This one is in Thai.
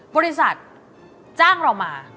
บริษัทจ้างเรามา